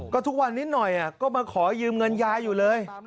ก็ทุกวันนิดหน่อยก็มาขอยืมเงินยายอยู่เลย